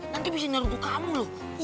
nanti bisa nergu kamu loh